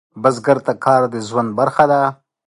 بزګر ته کار د ژوند برخه ده